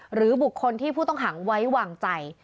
หรือบุคคลที่ผู้ต้องขังไว้วางใจ